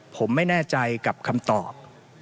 ผมไม่แน่ใจกับคำตอบ